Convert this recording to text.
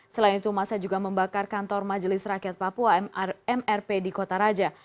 selain itu masa juga membakar kantor majelis rakyat papua mrp di kota raja